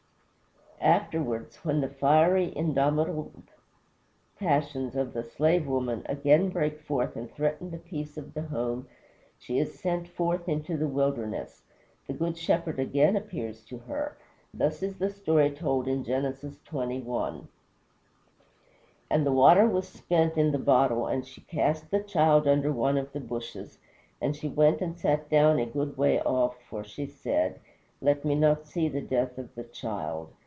Afterwards, when the fiery, indomitable passions of the slave woman again break forth and threaten the peace of the home, and she is sent forth into the wilderness, the Good Shepherd again appears to her. Thus is the story told (Gen. xxi.): "And the water was spent in the bottle, and she cast the child under one of the shrubs, and she went and sat down a good way off, for she said, Let me not see the death of the child.